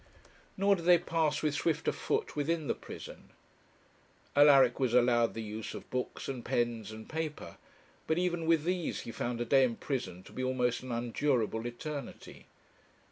Nor did they pass with swifter foot within the prison. Alaric was allowed the use of books and pens and paper, but even with these he found a day in prison to be almost an unendurable eternity.